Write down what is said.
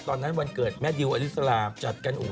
ตอนนั้นวันเกิดแม่อดิวอลิสราจัดกัน